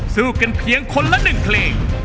สู้กันเพียงคนละ๑เพลง